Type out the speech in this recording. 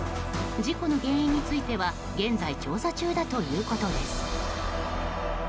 事故の原因については現在調査中だということです。